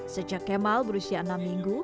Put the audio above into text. sejak kemal berusia enam minggu